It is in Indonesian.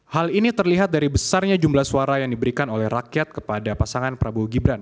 hal ini terlihat dari besarnya jumlah suara yang diberikan oleh rakyat kepada pasangan prabowo gibran